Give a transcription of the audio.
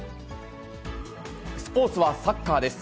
スポーツはサッカーです。